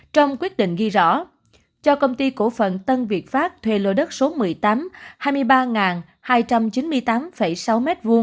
trong quyết định ghi rõ cho công ty cổ phận tân việt pháp thuê lô đất số một mươi tám hai mươi ba hai trăm chín mươi tám sáu m hai